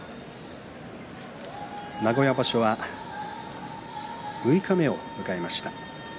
名古屋場所は六日目を迎えました。